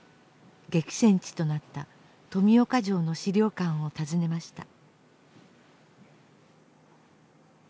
激戦地となった富岡城の資料館を訪ねました。